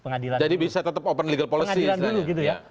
jadi bisa tetap open legal policy